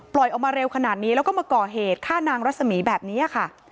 ออกมาเร็วขนาดนี้แล้วก็มาก่อเหตุฆ่านางรัศมีแบบนี้ค่ะ